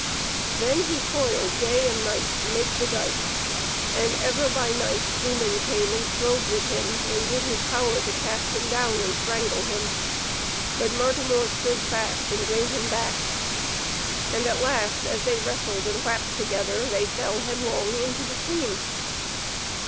Then he toiled day and night to make the dyke, and ever by night Flumen came and strove with him, and did his power to cast him down and strangle him. But Martimor stood fast and drave him back. And at last, as they wrestled and whapped together, they fell headlong in the stream.